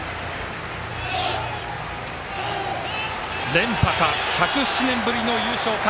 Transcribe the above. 連覇か１０７年ぶりの優勝か。